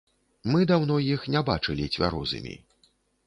Мы даўно іх не бачылі цвярозымі.